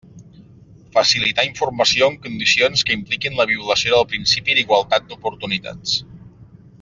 Facilitar informació en condicions que impliquin la violació del principi d'igualtat d'oportunitats.